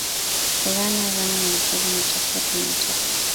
ghana ghana wanacheza na tusker timu ya tusker